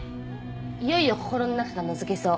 いよいよ心の中がのぞけそう。